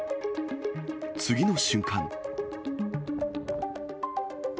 次の瞬間。